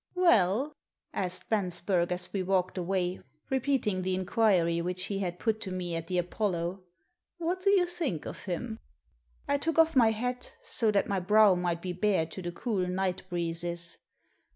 "Well, asked Bensberg, as we walked away, re peating the inquiry which he had put to me at the Apollo, " what do you think of him ?" I took off my hat, so that my brow might be bared to the cool night breezes.